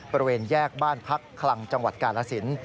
บริเวณแยกบ้านพักคลังจังหวัดกาลสิน